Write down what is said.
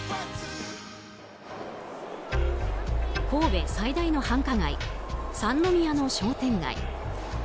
神戸最大の繁華街三宮の商店街。